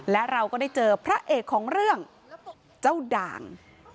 และเราก็ได้เจอพระเอกของเรื่องเจ้าด่าง